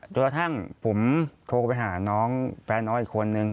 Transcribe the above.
แล้วทั้งผมโทรไปห้าน้องแฟนน้องอีกคนหนึ่ง